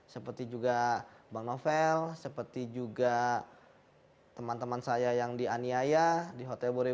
seperti juga bang novel seperti juga teman teman saya yang dianiaya di hotel boris